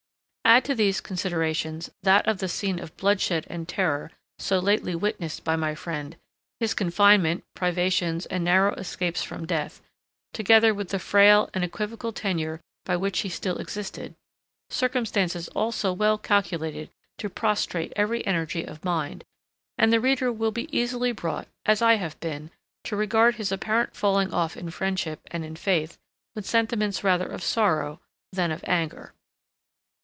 Add to these considerations that of the scene of bloodshed and terror so lately witnessed by my friend; his confinement, privations, and narrow escapes from death, together with the frail and equivocal tenure by which he still existed—circumstances all so well calculated to prostrate every energy of mind—and the reader will be easily brought, as I have been, to regard his apparent falling off in friendship and in faith with sentiments rather of sorrow than of anger.